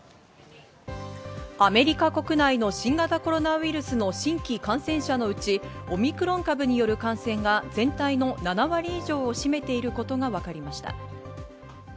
アメリカ国内の新型コロナウイルスの新規感染者のうち、オミクロン株による感染が全体の７割以上を占めていることがわかりました。